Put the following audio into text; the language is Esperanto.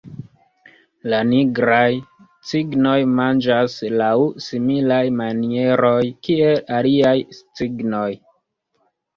La Nigraj cignoj manĝas laŭ similaj manieroj kiel aliaj cignoj.